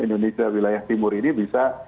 indonesia wilayah timur ini bisa